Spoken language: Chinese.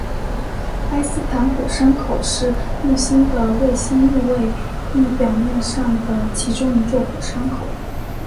埃斯坦火山口是木星的卫星木卫一表面上的其中一座火山口。